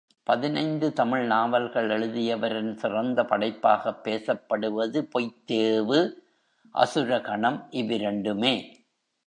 பதினைந்து தமிழ் நாவல்கள் எழுதியவரின் சிறந்த படைப்பாக பேசப்படுவது பொய்த்தேவு அசுரகணம் இவ்விரண்டுமே.